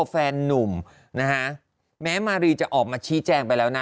แฟนนุ่มนะฮะแม้มารีจะออกมาชี้แจงไปแล้วนะ